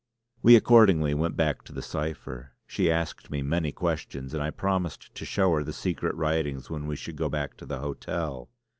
We accordingly went back to the cipher. She asked me many questions, and I promised to show her the secret writings when we should go back to the hotel.